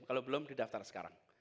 kalau belum di daftar sekarang